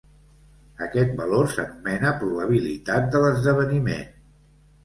Aquest valor s'anomena probabilitat de l'esdeveniment.